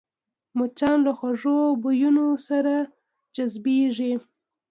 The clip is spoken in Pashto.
مچان له خوږو بویونو سره جذبېږي